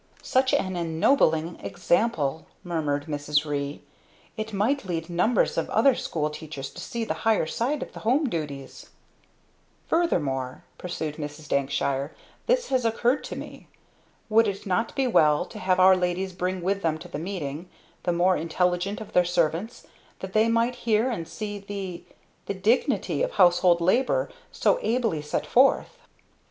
"Such an ennobling example!" murmured Mrs. Ree. "It might lead numbers of other school teachers to see the higher side of the home duties!" "Furthermore," pursued Mrs. Dankshire, "this has occured to me. Would it not be well to have our ladies bring with them to the meeting the more intelligent of their servants; that they might hear and see the the dignity of household labor so ably set forth?